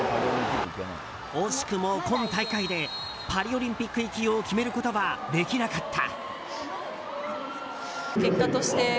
惜しくも、今大会でパリオリンピック行きを決めることはできなかった。